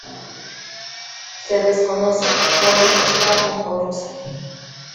Se desconoce cuándo empezó a componerse.